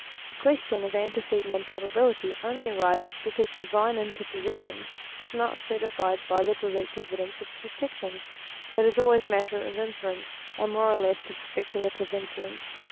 The question of antecedent improbability only arises be cause divine interposition is not certified by the direct evidence of perception, but is always matter of inference, and more or less of speculative inference.